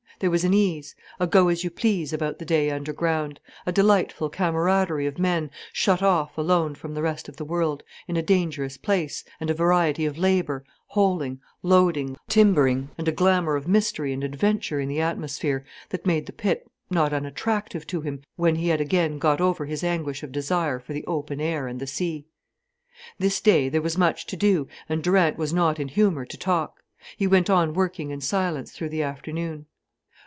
There was an ease, a go as you please about the day underground, a delightful camaraderie of men shut off alone from the rest of the world, in a dangerous place, and a variety of labour, holing, loading, timbering, and a glamour of mystery and adventure in the atmosphere, that made the pit not unattractive to him when he had again got over his anguish of desire for the open air and the sea. This day there was much to do and Durant was not in humour to talk. He went on working in silence through the afternoon.